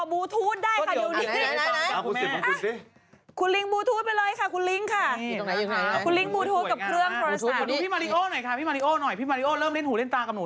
เมื่อกี้ตกใจหมดพี่เมย์มาจับอะไรหนู